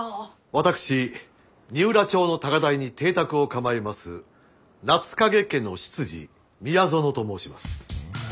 私二浦町の高台に邸宅を構えます夏影家の執事宮園と申します。